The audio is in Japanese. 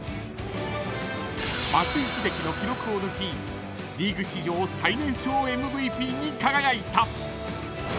［松井秀喜の記録を抜きリーグ史上最年少ＭＶＰに輝いた］